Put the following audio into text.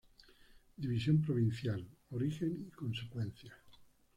División Provincial: origen y consecuencias.